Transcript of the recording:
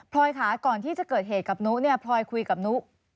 ค่ะก่อนที่จะเกิดเหตุกับนุเนี่ยพลอยคุยกับนุ